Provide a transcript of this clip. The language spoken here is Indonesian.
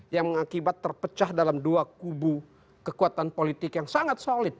yang mengakibat terpecah dalam dua kubu kekuatan politik yang sangat solid